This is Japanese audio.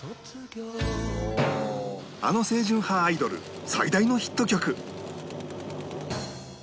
あの清純派アイドル最大のヒット曲